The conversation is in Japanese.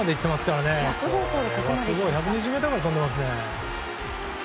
１２０ｍくらい飛んでますね。